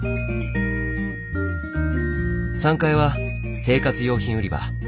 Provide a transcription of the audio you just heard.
３階は生活用品売り場。